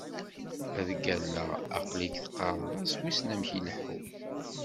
Ad d-ggalleɣ ar aql-ik teqqareḍ-as wissen amek ileḥḥu.